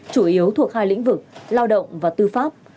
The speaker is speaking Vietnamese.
chủ yếu thuộc hai lĩnh vực lao động và tư pháp